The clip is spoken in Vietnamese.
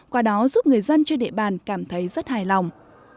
qua đó giúp người dân trên địa bàn cảm thấy rất hài lòng